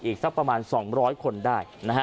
อีกสักประมาณ๒๐๐คนได้นะฮะ